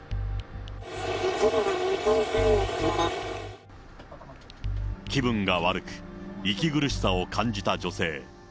できれば、気分が悪く、息苦しさを感じた女性。